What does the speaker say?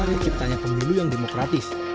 penciptanya pemilu yang demokratis